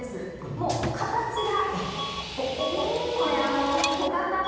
もう形が！